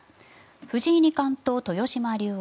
藤井二冠と豊島竜王